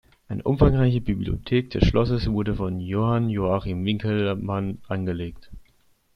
Eine umfangreiche Bibliothek des Schlosses wurde von Johann Joachim Winckelmann angelegt.